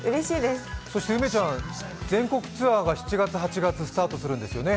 梅ちゃん全国ツアーが７月、８月スタートするんですよね。